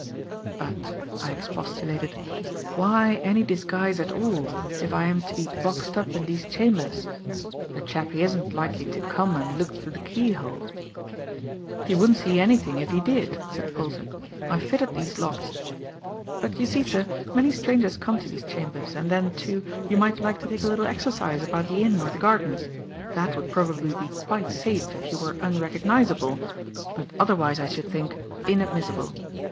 "But," I expostulated, "why any disguise at all, if I am to be boxed up in these chambers? The chappie isn't likely to come and look through the keyhole." "He wouldn't see anything if he did," said Polton. "I fitted these locks. But, you see, sir, many strangers come to these chambers, and then, too, you might like to take a little exercise about the inn or the gardens. That would probably be quite safe if you were unrecognizable, but otherwise, I should think, inadmissible.